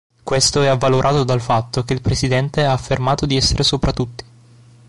Questo è avvalorato dal fatto che il presidente ha affermato di essere sopra tutti.